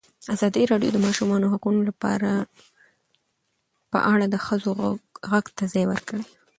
ازادي راډیو د د ماشومانو حقونه په اړه د ښځو غږ ته ځای ورکړی.